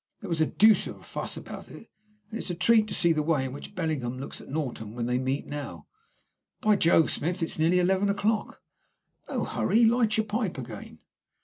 There was the deuce of a fuss about it, and it's a treat to see the way in which Bellingham looks at Norton when they meet now. By Jove, Smith, it's nearly eleven o'clock!" "No hurry. Light your pipe again."